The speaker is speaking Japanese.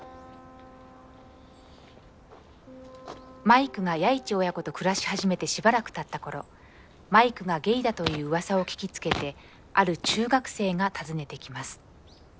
マイクが弥一親子と暮らし始めてしばらくたった頃マイクがゲイだといううわさを聞きつけてある中学生が訪ねてきます。